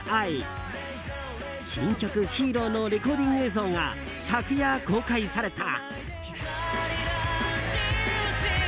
新曲「ＨＥＲＯ」のレコーディング映像が昨夜公開された。